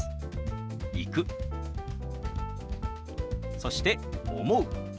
そして「思う」。